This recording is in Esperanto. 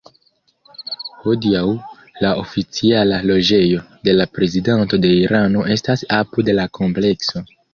Hodiaŭ, la oficiala loĝejo de la Prezidanto de Irano estas apud la komplekso.